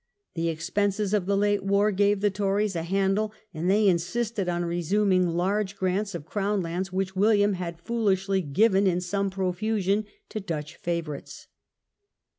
The expenses of the late war gave the Tories a handle, and they insisted on resuming large grants of crown lands which William had foolishly given in some profusion to Dutch favourites.